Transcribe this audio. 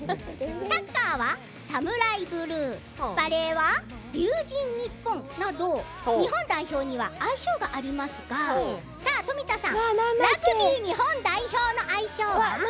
サッカーはＳＡＭＵＲＡＩＢＬＵＥバレーは龍神ＮＩＰＰＯＮなど日本代表には愛称がありますがさあ富田さんラグビー日本代表の愛称は？